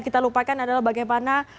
kita lupakan adalah bagaimana